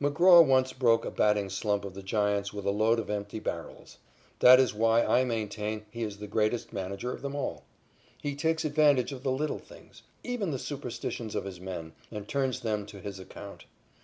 McGraw once broke up a batting slump of the Giants with a load of empty barrels. That is why I maintain he is the greatest manager of them all. He takes advantage of the little things, even the superstitions of his men, and turns them to his account.